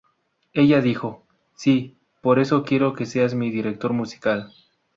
Ella dijo: 'Si, por eso quiero que seas mi director musical'.